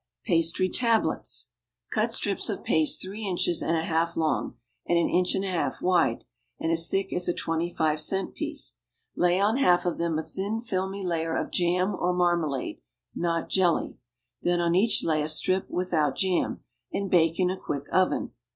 PASTRY TABLETS. Cut strips of paste three inches and a half long, and an inch and a half wide, and as thick as a twenty five cent piece; lay on half of them a thin filmy layer of jam or marmalade, not jelly; then on each lay a strip without jam, and bake in a quick oven.